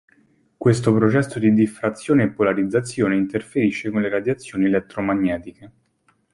Questo processo di diffrazione e polarizzazione interferisce con le radiazioni elettromagnetiche.